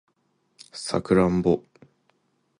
サクランボ